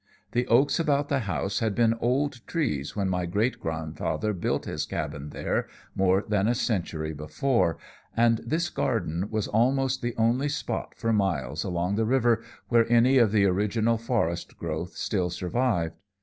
The oaks about the house had been old trees when my great grandfather built his cabin there, more than a century before, and this garden was almost the only spot for miles along the river where any of the original forest growth still survived.